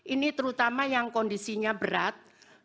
ini terutama yang kondisinya berat